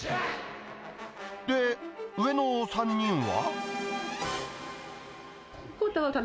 で、上の３人は？